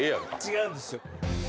違うんですよ。